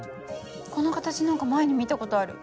この形何か前に見た事ある。